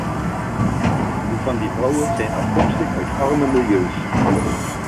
De meesten van die vrouwen zijn afkomstig uit arme milieus.